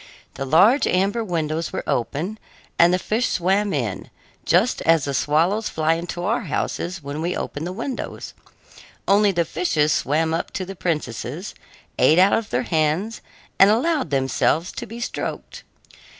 The large amber windows were open, and the fish swam in, just as the swallows fly into our houses when we open the windows; only the fishes swam up to the princesses, ate out of their hands, and allowed themselves to be stroked.